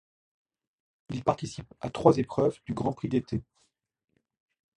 Il participe à trois épreuves du Grand prix d'été.